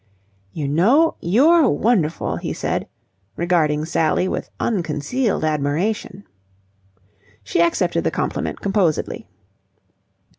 "You know, you're wonderful!" he said, regarding Sally with unconcealed admiration. She accepted the compliment composedly.